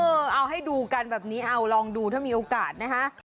เออเอาให้ดูกันแบบนี้เอาลองดูถ้ามีโอกาสนะคะ